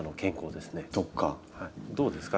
どうですか？